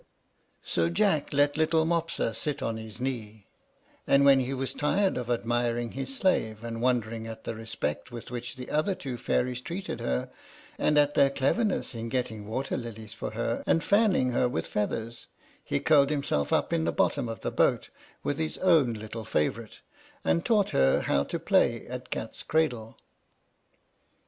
So Jack let little Mopsa sit on his knee; and when he was tired of admiring his slave, and wondering at the respect with which the other two fairies treated her, and at their cleverness in getting water lilies for her, and fanning her with feathers, he curled himself up in the bottom of the boat with his own little favorite, and taught her how to play at cat's cradle.